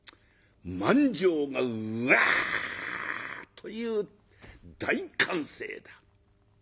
満場がうわっという大歓声だ。